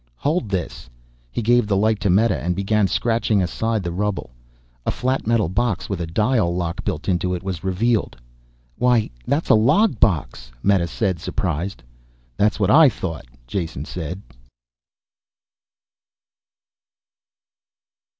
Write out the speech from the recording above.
"Hold this!" He gave the light to Meta and began scratching aside the rubble. A flat metal box with a dial lock built into it, was revealed. "Why that's a log box!" Meta said, surprised. "That's what I thought," Jason said.